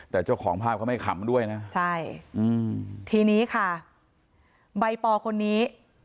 แต่เจ้าของภาพก็ไม่คำด้วยนะทีนี้ค่ะใบป่อคนนี้